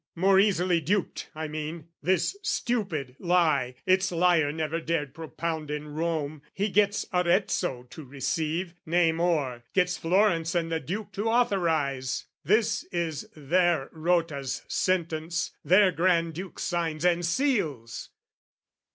More easily duped, I mean; this stupid lie, Its liar never dared propound in Rome, He gets Arezzo to receive, nay more, Gets Florence and the Duke to authorise! This is their Rota's sentence, their Granduke Signs and seals!